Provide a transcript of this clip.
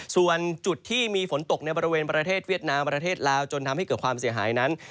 ส่วนจุดที่มีฝนตกในบริเวณประเทศเวียดนามประเทศลาวจนทำให้เกิดความเสียหายนั้น